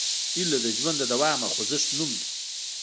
هیله د ژوند د دوام او خوځښت نوم دی.